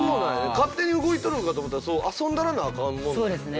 勝手に動いとるんかと思ったら遊んだらなアカンもんなんやね。